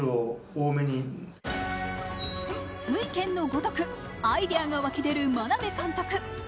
酔拳のごとくアイデアが湧き出る眞鍋監督。